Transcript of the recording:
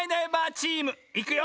チームいくよ！